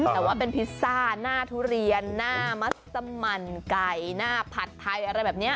แต่ว่าเป็นพิซซ่าหน้าทุเรียนหน้ามัสมันไก่หน้าผัดไทยอะไรแบบนี้